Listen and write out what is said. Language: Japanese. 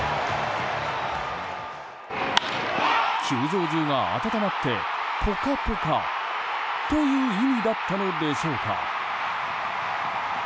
球場中が暖まってポカポカという意味だったのでしょうか。